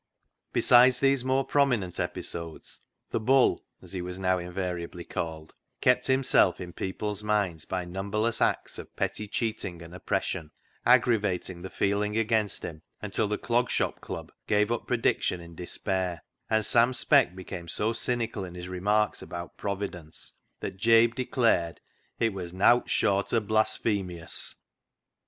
r.34 CLOG SHOP CHRONICLES Besides these more prominent episodes, " Th' Bull," as he was now invariably called, kept himself in people's minds by numberless acts of petty cheating and oppression, aggravating the feeling against him until the Clog Shop Club gave up prediction in despair; and Sam Speck became so cynical in his remarks about Providence, that Jabe declared it was " nowt short o' blasphem/ous."